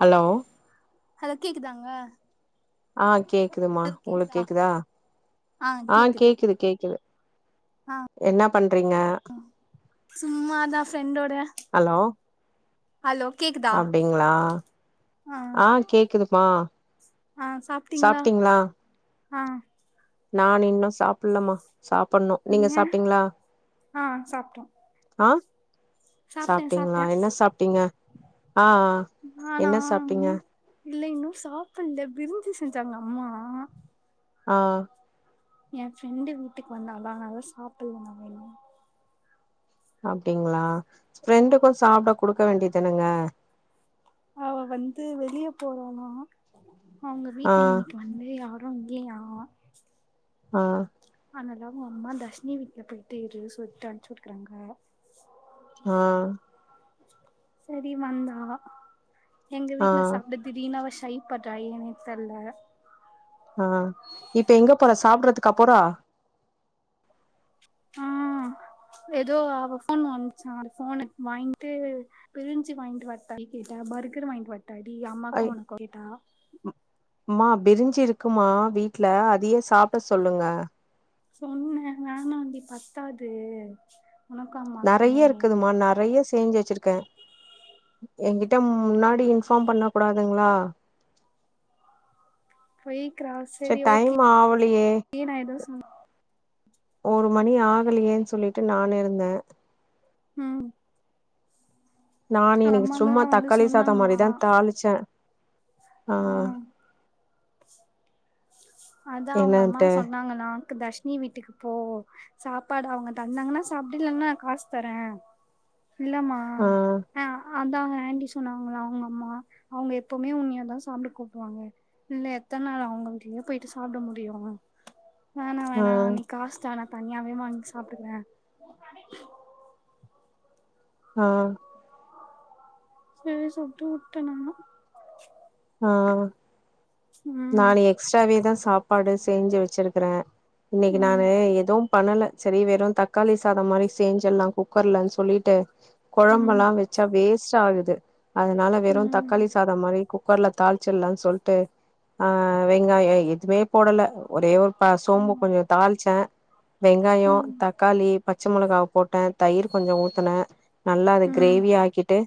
Hello hello கேக்குதாங்க ஆ கேக்குதுமா உங்களுக் கேக்குதா ஆ கேக்குது கேக்குது ஆ என்னா பண்றீங்க சும்மாதா ஃப்ரெண்டோட ஹலோ ஹலோ கேக்குதா அப்டிங்களா ஆ ஆ சாப்ட்டீங்ளா ஆ நானு இன்னு சாப்புலமா சாப்பட்ணு நீங்க சாப்ட்டீங்ளா ஆ சாப்ட்டோ ஆ சாப்ட்டே சாப்ட்டீங்ளா சாப்ட்டே என்ன சாப்ட்டீங்க ஆ ஆ நானா என்ன சாப்ட்டீங்க இல்ல இன்னு சாப்புல்ல பிருஞ்சு செஞ்சாங்க அம்மா ஆ எ ஃப்ரெண்டு வீட்டுக் வந்தாலா அவ சாப்புல்ல நானு இன்னு அப்டிங்களா ஃப்ரெண்டுக்கு சாப்ட குடுக்க வேண்டியதானங்க அவ வந்து வெளிய போறாளா அவுங்க ஆ வீட்ல இன்னிக் வந்து யாரு இல்லயா ஆ அனலா உ அம்மா தஷ்னி வீட்ல போயிட்டு இரு சொல்ட்டு அன்ச்சுட்டுகறாங்க ஆ சரி வந்தா எங்க ஆ வீட்ல சாப்ட திடீன் அவ ஷை பட்றா ஏனே தெர்ல ஆ இப்ப எங்க போறா சாப்ட்றதுக்கா போறா ஆ எதோ அவ ஃபோன் வாங்குச்சா அது ஃபோனுக் வாங்கிட்டு பிருஞ்சு வாய்ன்ட்டு வாதாடி கேட்ட பர்கர் வாய்ன்ட்டு வாட்டாடி அம்மாக்கு ஒனக்கு கேட்டா மா பிரிஞ்சு இருக்குமா வீட்ல அதயே சாப்ட சொல்லுங்க சொன்னே வேணான்டி பத்தாது உனக்கு நறைய அம்மாக்குமே இருக்குதுமா நறைய செஞ்சு வெச்சிருக்கே என்கிட்ட அப்டியா முன்னாடி ஃபார்ம் பண்ணகூடாதுங்ளா போய்க்றா சரி செரி டைம் ஓகே ஆவலையே நா எது சொ ஒரு மணி ஆகலையேன் சொல்லிட்டு நானிருந்தே ம் நான் அவங்க இன்னைக்கு அம்மாதா சும்மா வந்து தக்காளி சாதம் சொன்னாங்களா மாரிதாந் தாளிச்சே ஆ அதா அவுங்கம்மா என்னன்ட்டு சொன்னாங்கலாக்கு தஷ் னி வீட்டுக்கு போ சாப்பாடு அவுங்க தந்தாங்கன்னா சாப்டு இல்லனா நா காஸ் தரே இல்லமா ஆ அ அதா ஆன்ட்டி சொன்னாங்களா அவுங்க அம்மா அவுங்க எப்பவுமே உண்னயதா சாப்ட கூப்டுவாங்க இன்னு எத்தன் நாள் அவுங்க வீட்லியே போய்ட்டு சாப்ட முடியு வேணா ஆ வேணா நீ காசு தா தனியாவே வாங் சாப்டுக்குறே ஆ செரி சொல்ட்டு உட்ட நானு ஆ ம் நானு எக்ஸ்ட்ராவேதா சாப்பாடு செஞ்சு வெச்சிருக்கறே இன்னைக்கு ம் நானு எதுவும் பண்ணல செரி வெறுந் தக்காளி சாதம் மாரி சேஞ்சல்லா குக்கர்லன் சொல்லிட்டு ம் கொழம்பலா வெச் ச்சா வேஸ்ட் ஆகுது அதனால வெறு ம் தக்காளி சாதம் மாரி குக்கர்ல தாள்ச்சிலா சொல்ட்டு ஆ வெங்காயோ எதுமே போடல ஒரே ஒரு ப சோம்பு கொஞ்சோ தாள்ச்சே வெங்காயம் ம் தக்காளி ப பட்சமொளகவ போட்டே தயிர் கொஞ்ச ஊத்தினே நல்லா அத ம் கிரேவியா ஆக்கிட்டு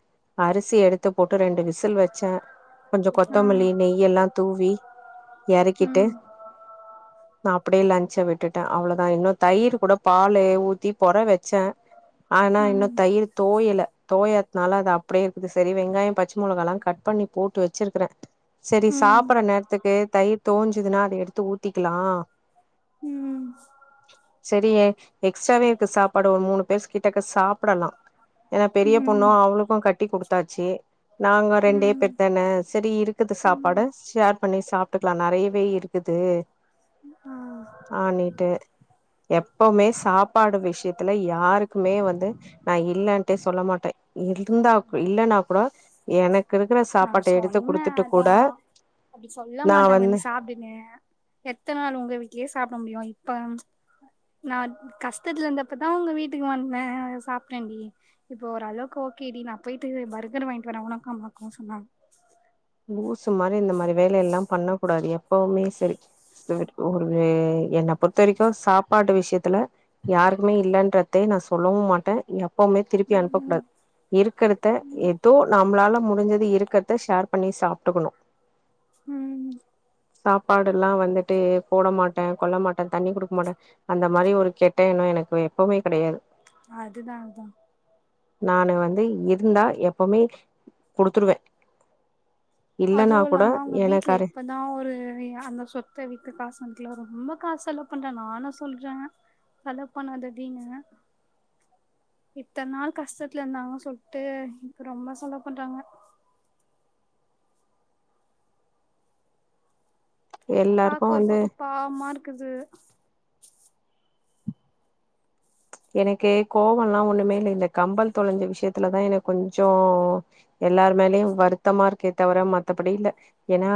அரிசி எடுத்து போட்டு ரெண்டு விசில் வச்சே கொஞ்சம் ஆ கொத்தமல்லி நெய்ய எல்லாம் தூவி இறக்கிட்டு ம் நான் அப்படியே லஞ்ச விட்டுட்டே அவ்வளவுதா இன்னு தயிர் கூட பால் ஊத்தி பொற வச்சே ஆனா இன்னு ம் தயிர் தோயல தோயதுனால அது அப்படியே இருக்குது சரி வெங்காயம் பச்சை மிளகா எல்லாம் கட் பண்ணி போட்டு வச்சிருக்கறேன் சரி ம் சாப்பற நேரத்துக்கு தயிர் தோஞ்சுதுன்னா அதை எடுத்து ஊத்திக்கலா ம் சரிய எக்ஸ்ட்ராாவே இருக்கு சாப்பாடு ஒரு மூணு பேரு கிட்ட சாப்பிடலா ஏன்னா பெரிய பொண்ணு ம் அவளுக்கு கட்டி கொடுக் தாச்சு நாங்க ரெண்டே ம் பேர் தானே சரி இருக்குது சாப்பாடு ம் ஷேர்ப் பண்ணி சாப்பிட்டுக்கலா நிறையவே இருக்குது ஆ ஆ நீட்டு எப்பவுமே சாப்பாடு விஷயத்த த்துல யாருக்குமே வந்து நான் இல்லன்னே சொல்ல மாட்டே இருந்தா இல்லைன்னா கூட எனக்கு இருக்கிற சாப்பாட்டை எடுத்து குடுத்துட்டு கூட அப்படி சொல்ல நா மாட்டாங்க வந்து நீ சாப்பிடுன எத்த நாள் உங்க வீட்லயே சாப்பிட முடியு இப்ப நா கஷ்டத்துல இருந்தப்பதா உங்க வீட்டுக்கு வந்தே சாப்டேண்டி இப்போ ஒரு அளவுக்கு ஓகேடி நான் போயிட்டு பர்கர் வாங்கிட்டு வரன் உனக்கு அம்மாக்கு சொன்னன் லூசு மாதிரி இந்த மாதிரி வேலை எல்லா பண்ண கூடாது எப்பவுமே சரி செர் ஒரு என்ன பொறுத்த வரைக்கு சாப்பாடு விஷயத்துல யாருக்குமே இல்லன்றதே நா சொல்லவு மாட்டே எப்பவுமே திருப்பி அனுப்பக் ம் கூடாது இருக்கிறத ஏதோ நம்மளால முடிஞ்சது இருக்கிறத ஷேர் சாப்பிட்டுக்கணு ம் சாப்பாடு எல்லாம் வந்துட்டு போட மாட்டே கொல்ல மாட்டே தண்ணி கொடுக்க மாட்டே அந்த மாதிரி ஒரு கெட்ட எண்ணம் எனக்கு எப்பவுமே கிடையாது அதுதா அதா நான் வந்து இருந்தா எப்பவுமே குடுத்துருவே இல்லன்னா அதுவும் கூட இல்லாம அவங்க வீட்ல எனக்காரு இப்பத் தான் ஒரு அந்த சொத்தை வித்து காசு வட்டுல ரொம்ப காசு செலவு பண்றே நானு சொல்றே செலவு பண்ணததின்னு இத்தனை நாள் கஷ்டத்துல இருந்தாங்கன்னு சொல்லிட்டு ரொம்ப செலவு பண்றாங்க எல்லாருக்கு பாக்க ஒரு வந்து பக்கம் பாவமா இருக்குது எனக்கு கோவம் எல்லாம் ஒண்ணுமே இல்ல இந்த கம்மல் தொலைஞ்ச விஷயத்துலதான் எனக்கு கொஞ்ச எல்லாருமேலயு வருத்தமா இருக்கே தவிர மத்தபடி இல்ல ஏன்னா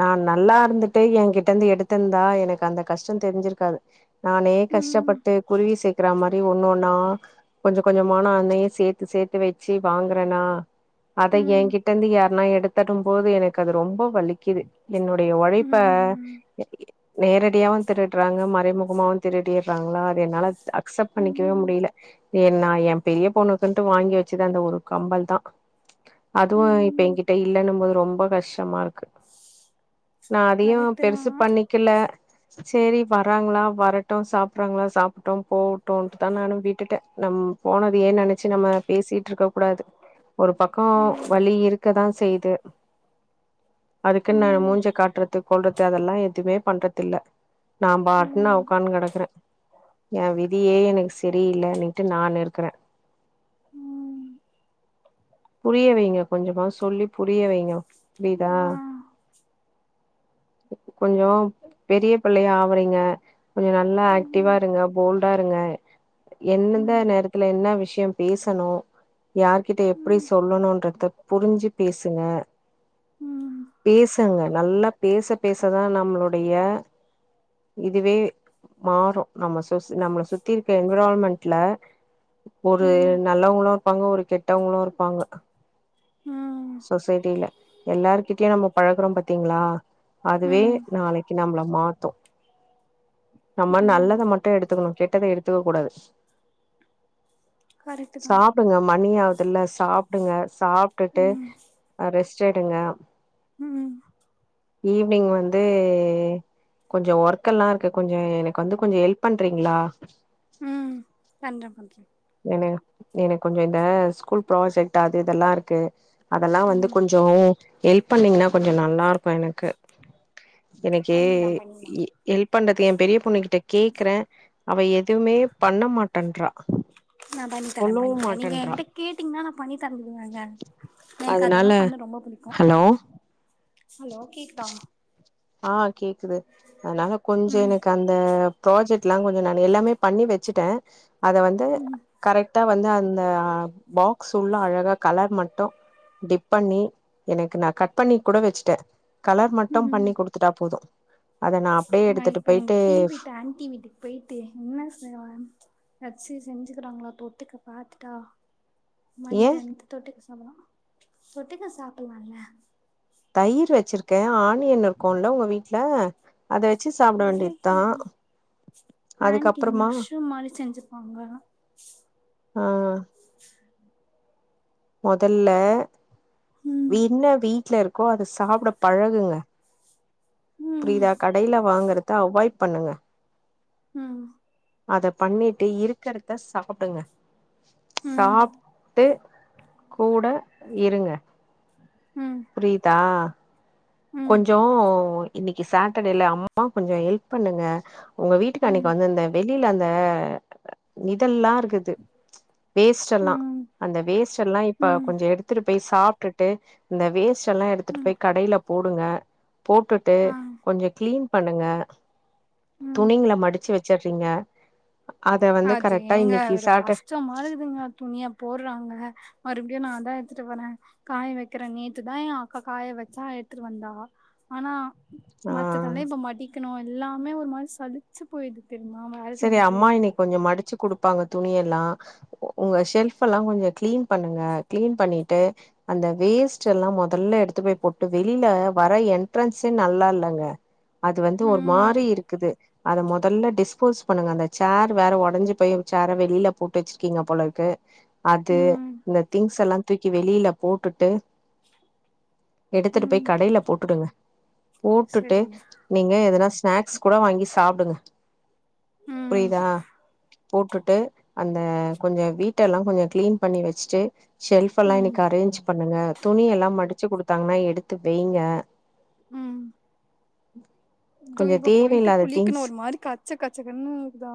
நான் நல்லா இருந்துட்டு என் கிட்ட இருந்து எடுத்திருந்தா எனக்கு அந்த கஷ்டம் தெரிஞ்சிருக்காது நானே ம் கஷ்டப்பட்டு குருவி செ க்கிற மாதிரி ஒன்னொன்னா கொஞ்ச கொஞ்சமான நானே சேர்த்து சேர்த்து வைச் செ வாங்கறேனா அத ம் என்கிட்ட இருந்து யாருனா எடுத்தடும் போது எனக்கு அது ரொம்ப வலிக் க்குது என்னுடைய உழைப்ப ம் ம் நேரடியாவவும் திருடுறாங்க மறைமுகமாவவு திருடிடுறாங்களா அதது என்னால அக்செப்ட் பண்ணிக்கவே ம் முடியல ஏய் நா எ பெரிய பொண்ணுக்குன்டு வாங்கி வச்சது அந்த ஒரு கம்பல் தா அதுவும் இப்ப ம் எங்கிட்ட இல்லன்னு போது ரொம்ப கஷ்டமா இருக்கு நான் அதிகம் கரெக்ட்டு தா பெருசு பண்ணி இல்ல சரி வராங்களா வரட்டும் சாப்பறாங்களா சா ட்டும் போகட்டோம்ட்டுதா நானு விட்டுட்டே நம் போனதயே நினைச்சு நம்ம பேசிட்டு இருக்க கூடாது ஒரு பக்கம் ம் வழி இருக்கதா செய்யுது அதுக்குன் நா எ ம் மூஞ்ச காட்றது கொள்றத் இது அதெல்லா எதுமே பண்றதில்ல நா பாட்டுன்னு நா ம் ஒக்கான்னு கெடக்குறே எ விதியே எனக்கு செரியில்லனிட்டு நானு இருக்குறே ம் புரிய வைங்க கொஞ்சமாது சொல்லி புரிய வைங்க புரியுதா ஆ கொஞ்ச பெரிய பிள்ளையா ஆவுறீங்க கொஞ்ச நல்லா ஆக்டிவா ம் இருங்க போல்டா இருங்க எந்நெந்த ம் நேரத்துல என்ன விஷ்ய பேசணு யார்கிட்ட எப் ம் எப்டி ம் சொல்லணுன்றத புரிஞ்சு பேசுங்க பேசுங்க நல்லா பேச பேசதா நம்மளுடைய இதுவே மாறு நம்ம சுஸ் நம்மள சுத்தி இருக்க என்விரான்மென்ட்ல ஒரு ம் நல்லவ்ங்களு ப்பாங்க ஒரு கெட்டவ்ங்களு இருப்பாங்க ஆ சொசைட்டில எல்லாருகிட்டயு நம்ம பழக்றோ பாத்தீங்ளா அதுவே ம் நாளைக்கு நம்மள மாத்து நம்ம ம் நல்லத மட்டு எடுத்துக்கணு கெட்டத எடுத்துக்க கூடாது கரெக்ட்டு தா ப்புடுங்க மணி ஆவுதுல்ல சாப்புடுங்க சாப்டுட் ட்டு ம் அ ரெஸ்ட் எடுங்க ம் ஈவ்னிங் வந்து கொஞ்ச ஒர்க்கெல்லா இருக்கு கொஞ்ச எனக்கு வந்து கொஞ்ச ஹெல்ப் பண்றீங்ளா ம் பண்றே பண்றே என்னனா எனக்கு கொஞ்ச இந்த ஸ்கூல் ப்ராஜெக்ட் அது இதெல்லா இருக்கு அதெல்லா வந்து ம் கொஞ்ச ஹெல்ப் பண்ணீங்னா கொஞ்ச நல்லாருக்கு எனக்கு எனக்கே பண்ணிட்லா இ பண்ணிட்லா ஹெல்ப் பண்றதுல எ பெரிய பொண்ணுகிட்ட கேக்குறே அவ எதுவுமே பண்ண மாட்டேன்றா நா பண்ணித்தரே சொல்லவு பண்ணித்தரே நீங்க மாட்டேன்றா எங்கிட்ட கேட்டீங்னா நா பண்ணி தந்துருவேங்க எனக்கு அதனால அதெல்லா பண்ண ரொம்ப புடிக்கு ஹலோ ஹலோ கேக் ஆ கேக்குது அதனால கொஞ்ச ம் எனக்கு அந் அ ப்ராஜெக்ட்ல்லா கொஞ்ச நா எல்லாமே பண்ணி வச்சுட்டே அத வந்து ம் கரெக்டா வந்து அந்த பாக்ஸ் உள்ள அழகா கலர் மட்டு டிப் பண்ணி எனக்கு நா கட் பண்ணி கூட வச்சுட்ட கலர் மட்டும் ம் பண்ணி குடுத்துட்டா போது அத நா அப்டியே நா எடுத்துட்டு இப்ப எங்க போயிட்டு கீழ் வீட்டு ஆண்டி வீட்டுக்கு போயிட்டு என்ன செய்வே நட்ஸு செஞ்சுக்கிறாங்ளா தொட்டுக்க பாத்துட்டா ஏன் வாங்கிட்டு வந்ட்டு தொட்டுக்க சாப்புட்லா தொட்டுக்க சாப்புட்லால்ல தயிரு வெச்சிருக்கே ஆனியன் இருக்குல்ல உங்க வீட்ல அத வெச்சு சாப்ட வேண்டியத்தா ஆன்ட்டி மஷ்ரூம் மாரி செஞ்சுருப்பாங்க ஆ மொதல்ல ம் என்ன வீட்ல இருக்கோ அத சாப்ட பழகுங்க ம் புரியிதா கடைல வாங்கறத்த அவாய்ட் பண்ணுங்க ஆ அத பண்ணிட்டு இருக்கிறத சாப்டுங்க ம் சாப்ட்டு கூட இருங்க ம் புரியுதா ம் கொஞ்ச இன்னைக்கு சாட்டர்டேல அம்மாக் கொஞ்ச ஹெல்ப் பண்ணுங்க உங்க வீட்டுக்கு அன்னைக்கு ம் வந்துந்தே வெளில அந்த இதல்லா ருக்குது வேஸ்டெல்லா ம் அந்த வேஸ்ட் எல்லா இப்ப ம் கொஞ்சோ எடுத்துடு பெய் சாப்டுட்டு இந்த வேஸ்ட் எல்லா எடுத்துட்டு ம் பெய் கடைல போடுங்க போட்டுட்டு ஆ கொஞ்சோ கிளீன் பண்ணுங்க ம் துணிங்கல மடிச்சி வச்சிர்றீங்க அது ஏங்க ஒரு கஷ்டமா இருகுதுங்க துணிய போட்றாங்க மறுபடியு நாந்தா எடுத்துட்டு வரே காய வக்கிறே நேத்துதா ஏ அக்கா காய வச்சா எடுத்துட்டு வந்தா ஆனா ஆ மத்ததல்ல இப்ப மடிக்கணு எல்லாமே ஒரு மாரி சளிச்சி போயிடுது தெரியுமா வேல செரி செஞ்சு அம்மா இன்னைக் கொஞ்சோ மடிச்சி குடுப்பாங்க துணியெல்லா உங்க ஷெல்ஃபெல்லா கொஞ்சோ கிளீன் பண்ணுங்க கிளீன் பண்ணிட்டு அந்த வேஸ்ட்டெல்லா மொதல்ல எடுத்து போய் கொட்டு வெளில வர என்ட்ரன்ஸே நல்லால்லங்க அது வந்து ஒர் ம் மாறி இருக்குது அத முதல்ல டிஸ்போஸ் பண்ணுங்க அந்த சேர் வேற உடஞ்சிப்பெய் சேற வெளில போட்டு வச்சிருக்கீங்க போலர்க்கு அது ம் இந்த திங்ஸ் எல்லா தூக்கி வெளியில போட்டுட்டு ம் எடுத்துட்டுப்பெய் கடைல போட்டுடுங்க போட்டுட்டு சரிங்க நீங்க எதுனா ஸ்நேக்ஸ் கூட வாங்கி சாப்டுங்க ம் புரியிதா போட்டுட்டு அந்த கொஞ்சோ வீட்டெல்லா கொஞ்சோ கிளீன் பண்ணி வச்சுட்டு ஷெல்ஃப்யெல்லா ம் இன்னிக்கு அரேஞ்ச் பண்ணுங்க துணியெல்லா மடிச்சி குடுத்தாங்னா எடுத்து வெய்ங்க ம் தோ கொஞ்ச இப்ப பொயிட்டு தேவையில்லாத குளிக்கனு திங்ஸ் ஒரு மாரி க ச்ச கச்சக்குன்னு இருக்குதா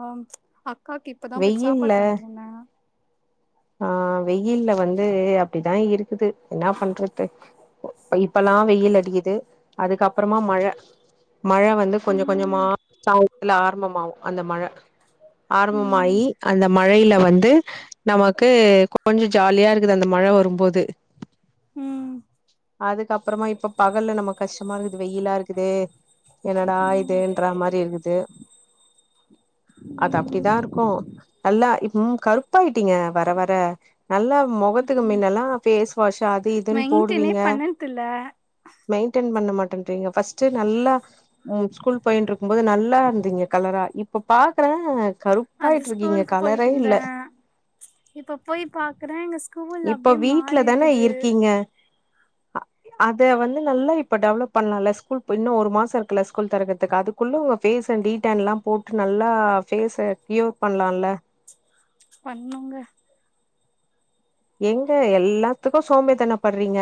அக்காக்கு இப்பதா பொயிட் வெயில்ல சாப்பாடு தந்துட்ருந்தே ஆஹ் வெயில்ல வந்து அப்டிதா இருக்குது என்னா பண்றது இப்பலா வெயில் அடிக்கிது அதுக்கப்றமா மழ மழ வந் து கொஞ்ச கொஞ்சமா ம் சாந்த்துல ஆரம்பமாவு அந்த மழ ஆரம்பமாயி ம் அந்த மழையில வந்து நமக்கு கொஞ்சோ ஜாலியாருக் க்குது அந்த மழ வரும்போது ம் அதுக்கப்றமா இப்ப பகல்ல நம்ம கஷ்டமா இருக்குது வெயில்லா இருக்குது என்னடா இதூன்ற மாரி இருக்குது அது ம் அப்டிதாருக்கு நல்லா இப் ம் கருப்பாய்டீங்க வர வர நல்லா மொகத்துக்கு மின்னெல்லா பேஸ் வாஷூ அது இதுன் மெயின்டனே போடுவீங்க பண்ணதுல்ல மெயின்டென் பண்ண மாட்டென்றீங்க ஃபஸ்டு நல்லா உ ஸ்கூல் போயின்ருக்கும்போது நல்லா இருந்தீங்க கலரா இப்பொ பாக்றே அது ஸ்கூலுக்கு பொயிட்டுந்தே இப்ப போய் பாக்குறே எங்க ஸ் கூல் இப்ப அப்டியே வீட்ல மாறி தானே இருக்குது இருக்கீங்க அத வந்து நல்லா இப்ப டெவலப் பண்ணலால ஸ்கூல்ப் இன்னு ஒரு மாசோ இருக்குல்ல ஸ்கூல் தெறக்கர்துக் அது குள்ள உங்க ஃபேஸ டீட்டேன்லா போட்டு நல்லா ஃபேஸ கியோ பண்லால்ல பண்ணுங்க எங்க எல்லாத்துக்கு சோம்பேத்தனொ பட்றீங்க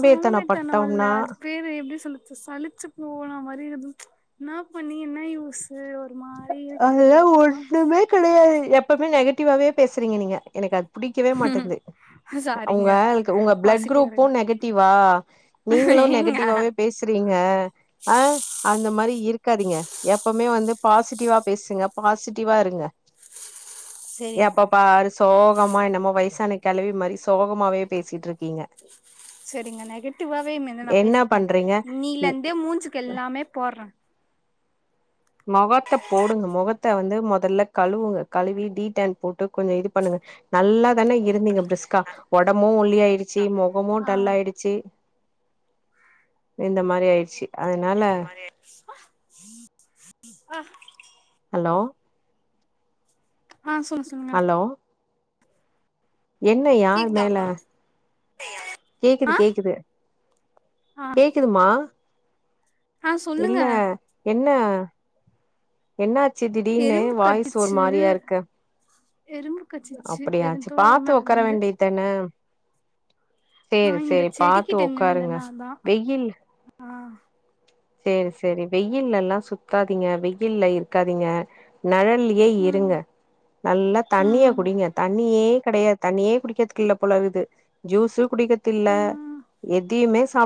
சோம்பேர்தானோயில்ல அது பேரு எப்டி சொல்லுர்து சலி சு போன மாரி இருந்து என்ன பண்ணி என்ன யூஸ் து ஒரு மாரீ இருக்குது அதெல்லா வெறுப்பா ஒண்ணுமே கெடையாது எப்பமே நெகட்டிவாவே பேசுறீங்க நீங்க எனக்கு அது புடிக்கவே மாட்டெங்து சாரிங்க அவொங்காள்க் உங்க பிளட் குரூப்பு பாசிட்டிவாவேதா நெகட்டிவ்வா நீங்களு ஏங்க நெகட்டிவாவே பேசுறீங்க ஆஹ் அந்த மாரி இருக்காதீங்க எப்பவுமே வந்துப் பாசிட்டிவா பேசுங்க பாசிட்டிவா இருங்க செரிங்க எப்ப பாரு சோகமா என்னமோ வயசான கிழவி மாரி சோகமாவே பேசிட்டு இருக்கீங்க சரிங்க நெகட்டிவாவே இனிமே நா என்ன பேச மாட்டேன் பண்றீங்க ம் இன்னிலிந்து மூஞ்சுக்கு எல்லாமே போட்ற மொகத்த போடுங்க மொகத்த வந்து மொதல்ல கழுவுங்க கழுவி டீடேன் போட்டு கொஞ்சோ இது பண்ணுங்க நல்லாதானே இருந்தீங்க பிரிஸ்கா ஒடம்பு ஒல்லியாயிடு சி முகமு ஆ டல்லாயிடுச்சி இந்த மாரி ஆயிட்ச்சி அதனால ஆ ஹலோ ஆ சொல்லுச் அலோ என்ன யார் கேக்குதா மேல? கேக்குது ஆ கேக்குது ஆ கேக்குதுமா ஆ சொல்லுங்க இல்ல என்ன என்னாச்சு திடீனு எறும்பு வாய்ஸ் ஒரு கட்டுச்சு மாரியா இருக்க எறும்பு கச்சிச்சு எது தோறுமா அந்து த்தனே ஆ சேரி இந்த சேரி பாத்து செடிக்கிட்ட ஒக்காருங்க நின்னுந்தனா அதா வெயில் ஆ சேரி சேரி வெயில்லல்லா சுத்தாதீங்க வெயில்ல இருக்காதீங்க நெழல்லியே ம் இருங்க நல்லாத் தண்ணிய ம் குடிங்க தண்ணியே கெடையாத் தண்ணியே குடிக்கிதுக்கல்ல போல இக்து ஜூஸுகுடிக்கது இல்ல ம் எதையுமே சாப்